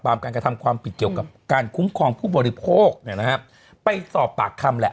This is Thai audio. การกระทำความผิดเกี่ยวกับการคุ้มครองผู้บริโภคเนี่ยนะฮะไปสอบปากคำแหละ